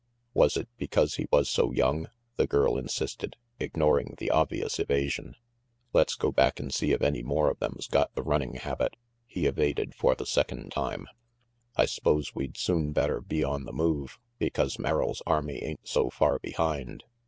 "Was it because he was so young?" the girl insisted, ignoring the obvious evasion. "Let's go back and see if any more of them's got the running habit," he evaded for the second time. "I s'pose we'd soon better be on the move, because Merrill's army ain't so far behind."